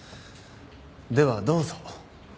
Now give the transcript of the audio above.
ではどうぞ。